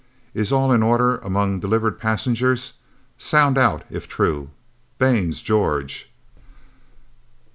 Is all in order among delivered passengers? Sound out if true. Baines, George?..."